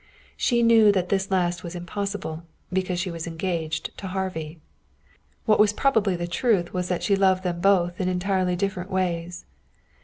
She knew that this last was impossible, because she was engaged to Harvey. What was probably the truth was that she loved them both in entirely different ways.